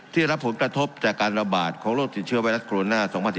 ได้รับผลกระทบจากการระบาดของโรคติดเชื้อไวรัสโรนา๒๐๑๙